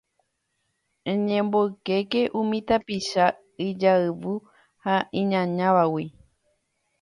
Eñemboykéke umi tapicha ijayvu ha iñañávagui